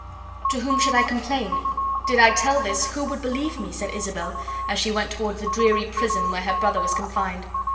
"To whom should I complain? Did I tell this, who would believe me?" said Isabel, as she went toward the dreary prison where her brother was confined.